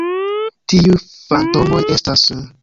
Tiuj fantomoj estas...